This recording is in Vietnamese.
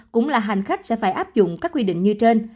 cũng là hành khách sẽ phải áp dụng các quy định như trên